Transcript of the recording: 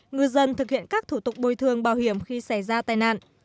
ngư dân thực hiện các thủ tục bồi thường bảo hiểm khi xảy ra tai nạn